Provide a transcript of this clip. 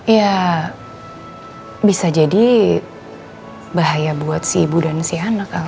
ya bisa jadi bahaya buat si ibu dan si anak